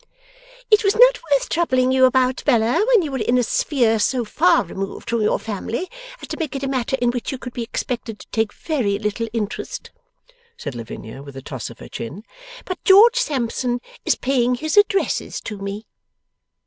'It was not worth troubling you about, Bella, when you were in a sphere so far removed from your family as to make it a matter in which you could be expected to take very little interest,' said Lavinia with a toss of her chin; 'but George Sampson is paying his addresses to me.